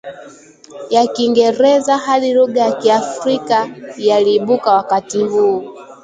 ya Kiingereza hadi lugha za Kiafrika yaliibuka wakati huu